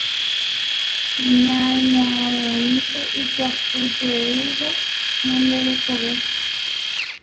Ñaimo'ãvoínte ipyahujeýva ñande rekove.